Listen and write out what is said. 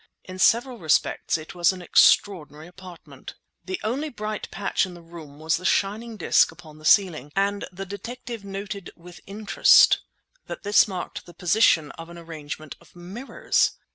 In several respects it was an extraordinary apartment. The only bright patch in the room was the shining disc upon the ceiling; and the detective noted with interest that this marked the position of an arrangement of mirrors.